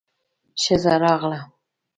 ښځه راغله.